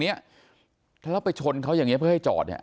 เนี้ยแล้วไปชนเขาอย่างเงี้เพื่อให้จอดเนี่ย